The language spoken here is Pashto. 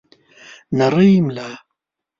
نرۍ ملا